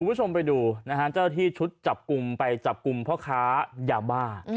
คุณผู้ชมไปดูนะฮะเจ้าหน้าที่ชุดจับกลุ่มไปจับกลุ่มพ่อค้ายาบ้า